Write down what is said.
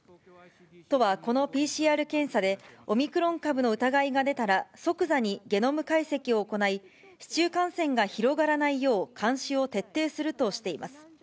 都はこのＰＣＲ検査で、オミクロン株の疑いが出たら即座にゲノム解析を行い、市中感染が広がらないよう監視を徹底するとしています。